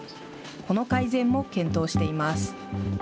この改善も検討しています。